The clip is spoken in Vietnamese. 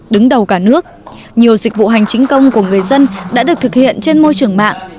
đứng đầu cả nước nhiều dịch vụ hành chính công của người dân đã được thực hiện trên môi trường mạng